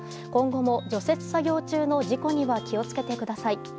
今後も除雪作業中の事故には気をつけてください。